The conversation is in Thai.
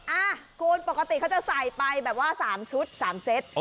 อ่ะคุณปกติเขาจะใส่ไปแบบว่า๓ชุด๓เซต